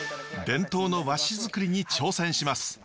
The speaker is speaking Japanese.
伝統の和紙づくりに挑戦します。